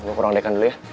gua ke ruang dekan dulu ya